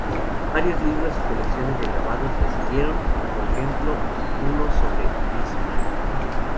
Varios libros y colecciones de grabados le siguieron, por ejemplo, uno sobre Bismarck.